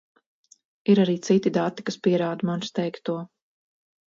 Ir arī citi dati, kas pierāda manis teikto.